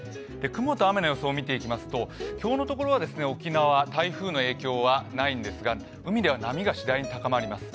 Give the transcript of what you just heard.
雲と雨の予想を見ていきますと今日のところは沖縄、台風の影響はないんですが、海では波がしだいに高まります。